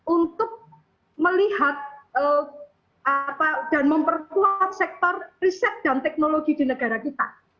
untuk melihat dan memperkuat sektor riset dan teknologi di negara kita